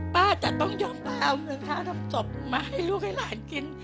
ป้าจะต้องยอมไปเอารองเท้าทำศพมาให้ลูกให้หลานกิน